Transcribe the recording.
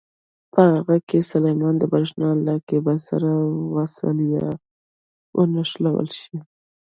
په هغو کې سیمان د برېښنا له کېبل سره وصل یا ونښلول شي.